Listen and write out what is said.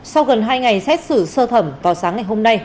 sau gần hai ngày xét xử sơ thẩm vào sáng ngày hôm nay